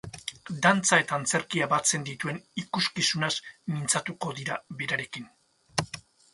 Dantza eta antzerkia batzen dituen ikuskizunaz mintzatuko dira berarekin.